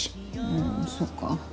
うんそっか。